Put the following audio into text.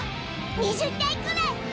２０体くらい！